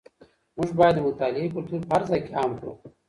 موږ بايد د مطالعې کلتور په هر ځای کي عام کړو.